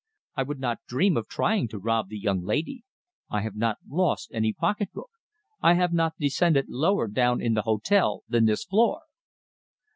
I would not dream of trying to rob the young lady. I have not lost any pocketbook. I have not descended lower down in the hotel than this floor."